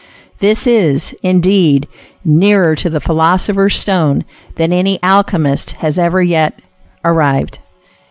This is, indeed, nearer to the philosopher's stone than any alchemist has ever yet arrived.